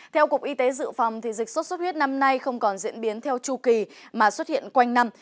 theo cục y tế dự phòng dịch sốt xuất huyết năm nay không còn diễn biến theo chu kỳ mà xuất hiện quanh năm